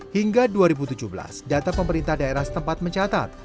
hingga dua ribu tujuh belas data pemerintah daerah setempat mencatat